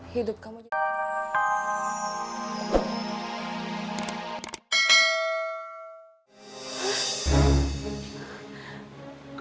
hidup kamu juga